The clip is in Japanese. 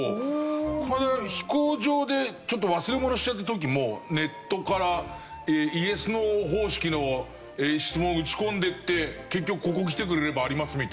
飛行場でちょっと忘れ物しちゃった時もネットからイエスノー方式の質問を打ち込んでいって結局ここ来てくれればありますみたいな。